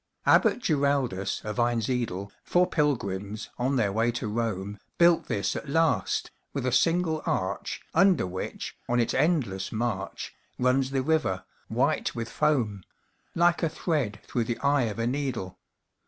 Abbot Giraldus of Einsiedel, For pilgrims on their way to Rome, Built this at last, with a single arch, Under which, on its endless march, Runs the river, white with foam, Like a thread through the eye of a needle.